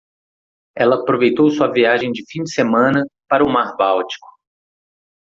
Ela aproveitou sua viagem de fim de semana para o mar báltico.